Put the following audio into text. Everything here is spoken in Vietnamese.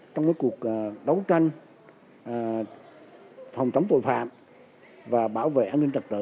trong cuộc đấu tranh phòng chống tội phạm và bảo vệ an ninh trật tự